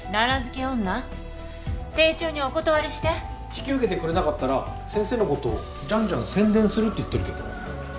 引き受けてくれなかったら先生のことじゃんじゃん宣伝するって言ってるけど。